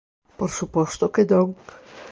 Por suposto que non!